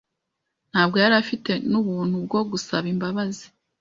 Ntabwo yari afite n'ubuntu bwo gusaba imbabazi.